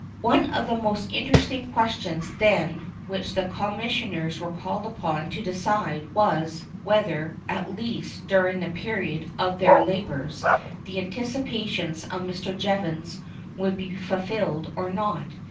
One of the most interesting questions, then, which the Commissioners were called upon to decide was, whether, at least during the period of their labours, the anticipations of Mr. Jevons would be fulfilled or not.